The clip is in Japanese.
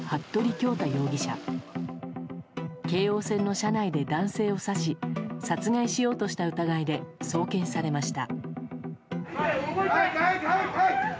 京王線の車内で男性を刺し殺害しようとした疑いで送検されました。